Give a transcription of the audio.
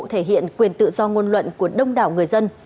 thể hiện quyền tự do ngôn luận của đông đảo người dân